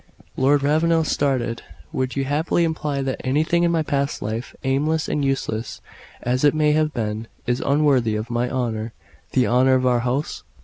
Lord Ravenel started. "Would you imply that anything in my past life, aimless and useless as it may have been, is unworthy of my honour the honour of our house?"